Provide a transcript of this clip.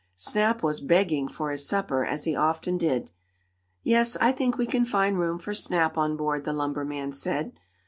Snap was "begging" for his supper, as he often did. "Yes, I think we can find room for Snap on board," the lumber man said.